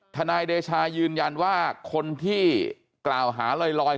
ทนายเดชายืนยันว่าคนที่กล่าวหาลอย